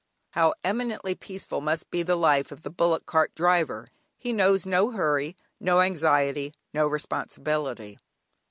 How eminently peaceful must be the life of the bullock cart driver! He knows no hurry, no anxiety, no responsibility.